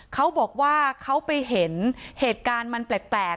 เขาบอกว่าเขาไปเห็นเหตุการณ์มันแปลก